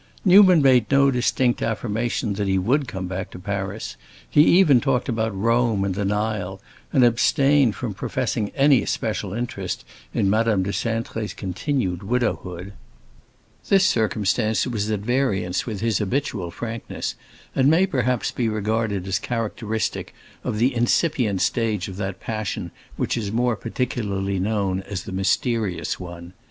Newman made no distinct affirmation that he would come back to Paris; he even talked about Rome and the Nile, and abstained from professing any especial interest in Madame de Cintré's continued widowhood. This circumstance was at variance with his habitual frankness, and may perhaps be regarded as characteristic of the incipient stage of that passion which is more particularly known as the mysterious one.